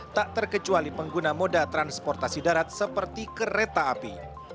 tak terkecuali pengguna moda transportasi darat seperti kereta api